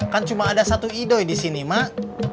kan cuma ada satu idoi di sini mak